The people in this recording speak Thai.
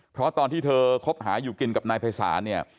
เพราะตอนที่เธอคบหาอยู่กินกับนายภัยศาลเนี่ย